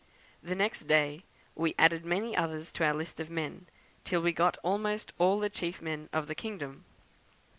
The next day we added many others to our list of men, till we got almost all the chief men of the kingdom.